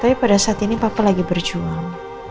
tapi pada saat ini papa lagi berjuang